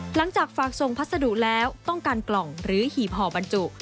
หลังจากฝากส่งพัสดุแล้วต้องการกล่องหรือหีบห่อบรรจุ